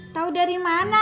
tahu dari mana